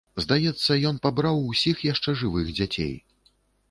Здаецца, ён пабраў усіх яшчэ жывых дзяцей.